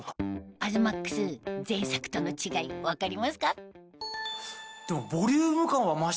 東ＭＡＸ前作との違い分かりますか？